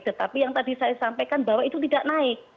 tetapi yang tadi saya sampaikan bahwa itu tidak naik